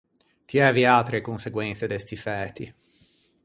Tiæ viatri e conseguense de sti fæti.